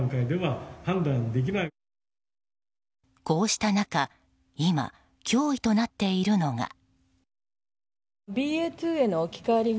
こうした中、今脅威となっているのが。